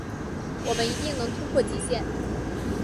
我们一定能突破极限